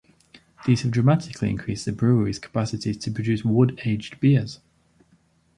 These have dramatically increased the brewery's capacity to produce wood aged beers.